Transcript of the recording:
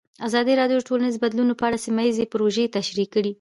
ازادي راډیو د ټولنیز بدلون په اړه سیمه ییزې پروژې تشریح کړې.